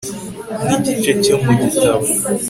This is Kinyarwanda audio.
nk'igice cyo mu gitabo